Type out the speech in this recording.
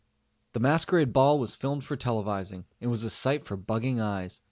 The Masquerade Ball was filmed for televising, and was a sight for bugging eyes.